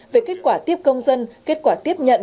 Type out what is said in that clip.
về kết quả tiếp công dân kết quả tiếp nhận